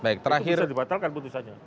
itu bisa dibatalkan putusannya